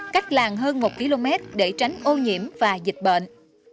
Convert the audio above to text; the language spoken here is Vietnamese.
cách làng hơn một km để tránh ô nhiễm và dịch bệnh